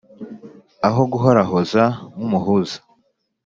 Aho guhorahoza nk' umuhuza